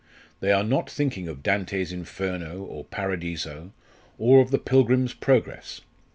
They are not thinking of Dante's 'Inferno' or 'Paradiso,' or of the 'Pilgrim's Progress.'